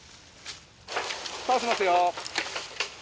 倒しますよ。